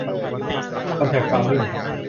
คอนแทร็กฟาร์มมิ่ง